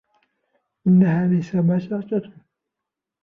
إنها ليس ما تعتقد.